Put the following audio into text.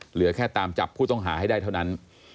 เหลือแค่ตามจับผู้ต้องหาให้ได้เท่านั้น